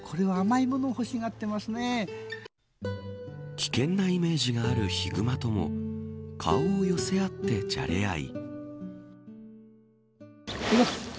危険なイメージがあるヒグマとも顔を寄せ合ってじゃれあい。